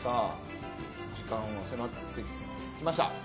時間は迫ってきました。